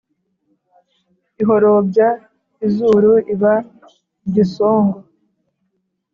Ihorobya izuru iba igisongo